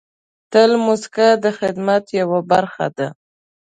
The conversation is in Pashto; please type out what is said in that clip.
تل موسکا د خدمت یوه برخه ده.